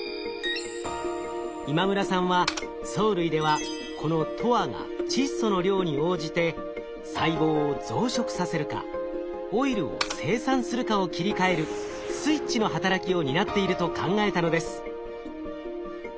今村さんは藻類ではこのＴＯＲが窒素の量に応じて細胞を増殖させるかオイルを生産するかを切り替えるスイッチの働きを担っていると考えたのです。